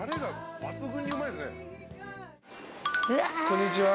こんにちは。